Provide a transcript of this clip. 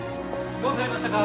どうされましたか？